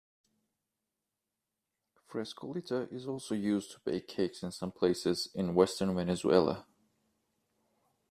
Frescolita is also used to bake cakes in some places in Western Venezuela.